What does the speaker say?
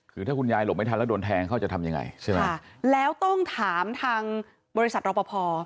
คือถ้าคุณยายหลบไม่ทันแล้วโดนแทงเขาจะทำยังไงใช่ไหมค่ะแล้วต้องถามทางบริษัทรอปภ